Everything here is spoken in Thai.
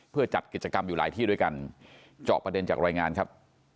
เพื่อจัดกิจกรรมอยู่หลายที่ด้วยกันเจาะประเด็นจากรายงานครับ